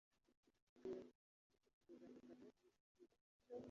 ikamyo ifite ikigega ihagaze mu gihe cyo